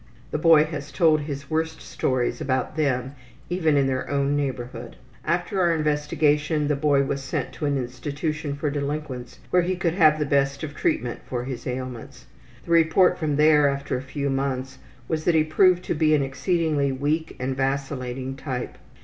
The boy has told his worst stories about them even in their own neighborhood. After our investigation the boy was sent to an institution for delinquents where he could have the best of treatment for his ailments. The report from there after a few months was that he proved to be an exceedingly weak and vacillating type.